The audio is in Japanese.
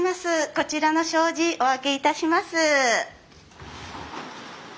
こちらの障子お開けいたします。